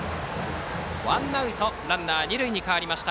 ワンアウトランナー、二塁に変わりました。